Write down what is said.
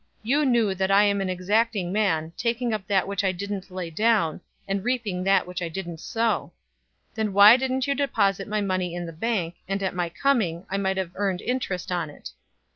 You knew that I am an exacting man, taking up that which I didn't lay down, and reaping that which I didn't sow. 019:023 Then why didn't you deposit my money in the bank, and at my coming, I might have earned interest on it?'